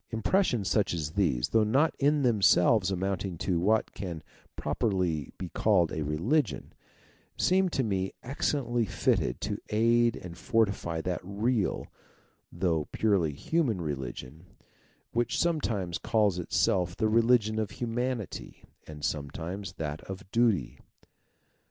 Impressions such as these, though not in them selves amounting to what can properly be called a religion, seem to me excellently fitted to aid and fortify that real, though purely human religion, which 256 THEISM sometimes calls itself the Eeligion of Humanity and sometimes that of Duty.